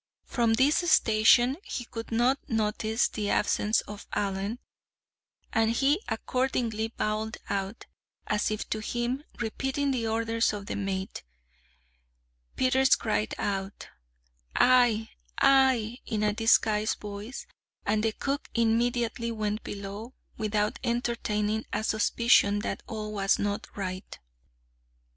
From this station he could not notice the absence of Allen, and he accordingly bawled out, as if to him, repeating the orders of the mate. Peters cried out, "Ay, ay," in a disguised voice, and the cook immediately went below, without entertaining a suspicion that all was not right.